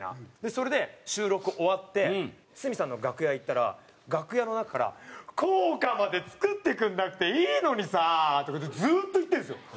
それで収録終わって堤さんの楽屋行ったら楽屋の中から「校歌まで作ってくれなくていいのにさ」とかってずっと言ってるんですよ。